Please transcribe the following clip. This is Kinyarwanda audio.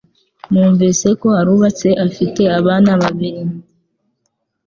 Numvise ko arubatse afite abana babiri